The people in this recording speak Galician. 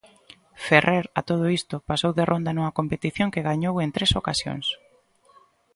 Ferrer, a todo isto, pasou de ronda nunha competición que gañou en tres ocasións.